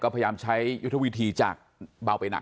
พยายามใช้ยุทธวิธีจากเบาไปหนัก